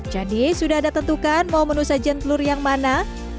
jadi sudah ada tentukan mau menu sajian telur yang mana